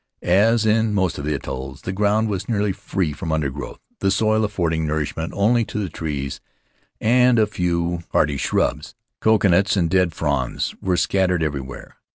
As in most of the atolls, the ground was nearly free from undergrowth, the soil affording nourishment only to the trees and a few hardy shrubs. Coconuts and dead fronds were scat tered everywhere.